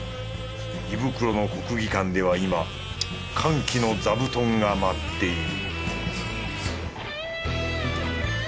胃袋の国技館では今歓喜のざぶとんが舞っている